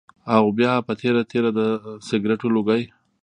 او بيا پۀ تېره تېره د سګرټو لوګی